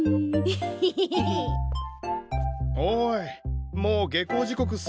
おいもう下校時刻過ぎてるぞ。